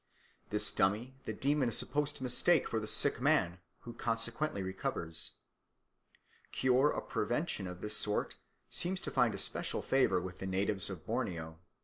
This dummy the demon is supposed to mistake for the sick man, who consequently recovers. Cure or prevention of this sort seems to find especial favour with the natives of Borneo.